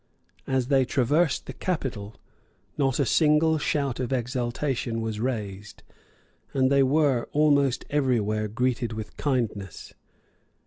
As they traversed the capital, not a single shout of exultation was raised; and they were almost everywhere greeted with kindness.